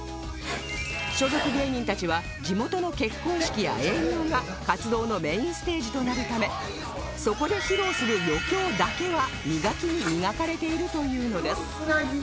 所属芸人たちは地元の結婚式や営業が活動のメインステージとなるためそこで披露する余興だけは磨きに磨かれているというのです